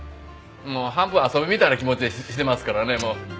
もう半分遊びみたいな気持ちでしてますからね。